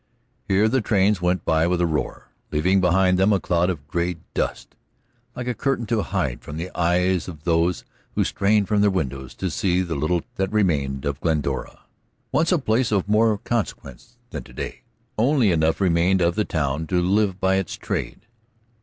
Here the trains went by with a roar, leaving behind them a cloud of gray dust like a curtain to hide from the eyes of those who strained from their windows to see the little that remained of Glendora, once a place of more consequence than today. Only enough remained of the town to live by its trade.